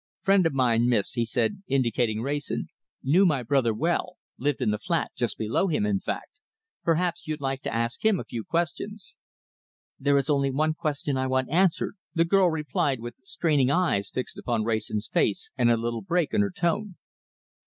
"Friend of mine, Miss," he said, indicating Wrayson. "Knew my brother well, lived in the flat just below him, in fact. Perhaps you'd like to ask him a few questions." "There is only one question I want answered," the girl replied, with straining eyes fixed upon Wrayson's face, and a little break in her tone.